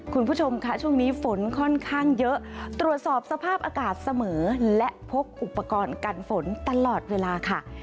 คุณผู้ชมค่ะช่วงนี้ฝนค่อนข้างเยอะตรวจสอบสภาพอากาศเสมอและพกอุปกรณ์กันฝนตลอดเวลาค่ะ